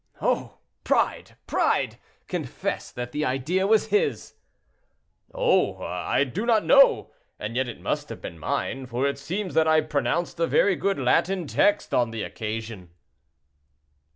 "Oh! pride, pride! Confess that the idea was his." "Oh! I do not know. And yet it must have been mine, for it seems that I pronounced a very good Latin text on the occasion."